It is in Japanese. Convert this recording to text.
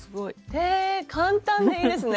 へえ簡単でいいですね。